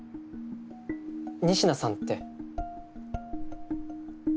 仁科さんって。